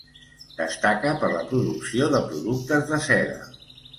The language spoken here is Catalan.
Destaca per la producció de productes de seda.